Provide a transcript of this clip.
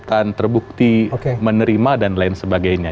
betul yang bersangkutan terbukti menerima dan lain sebagainya